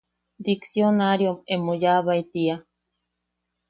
Diksionaariom emo yaabae tia.